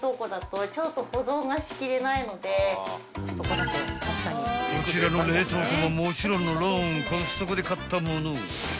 ［こちらの冷凍庫ももちろんのろんコストコで買ったもの］